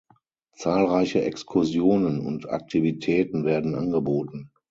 Zahlreiche Exkursionen und Aktivitäten werden angeboten.